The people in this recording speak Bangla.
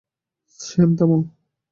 স্যাম, থামো!